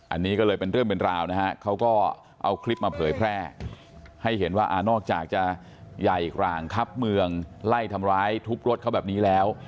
อันนี้ก็เลยเป็นเรื่องเป็นราวนะฮะเขาก็เอาคลิปมาเผยแพร่ให้เห็นว่านอกจากจะใหญ่กลางครับเมืองไล่ทำร้ายทุบรถเขาแบบนี้แล้ว